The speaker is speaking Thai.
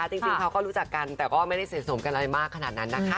แต่เขาก็รู้จักกันแต่ก็ไม่ได้เสนสมอะไรมากขนาดนั้น